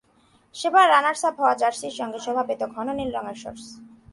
সেবার রানার্সআপ হওয়া জার্সির সঙ্গে শোভা পেত ঘন নীল রঙের শর্টস।